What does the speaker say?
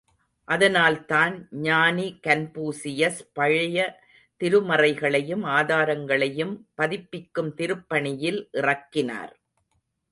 அதனால்தான் ஞானி கன்பூசியஸ், பழைய திருமறைகளையும், ஆதாரங்களையும் பதிப்பிக்கும் திருப்பணியில் இறக்கினார்.